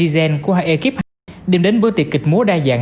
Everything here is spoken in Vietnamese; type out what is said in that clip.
zen của hai ekip đem đến bữa tiệc kịch múa đa dạng